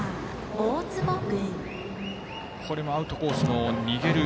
これもアウトコースの逃げる。